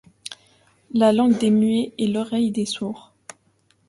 La langue des muets et l’oreille des sourds